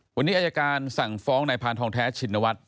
วันนี้อาจารย์การสั่งฟ้องในพาลทองแท้ชินวัฒน์